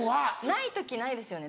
ない時ないですよね。